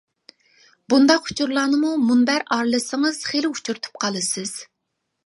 بۇنداق ئۇچۇرلارنىمۇ مۇنبەر ئارىلىسىڭىز خېلى ئۇچرىتىپ قالىسىز.